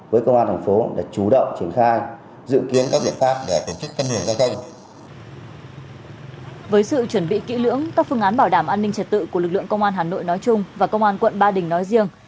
với sự chuẩn bị kỹ lưỡng các phương án bảo đảm an ninh trật tự của lực lượng công an hà nội nói chung và công an quận ba đình nói riêng